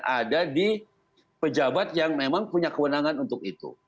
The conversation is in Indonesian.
ada di pejabat yang memang punya kewenangan untuk itu